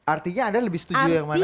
artinya anda lebih setuju yang mana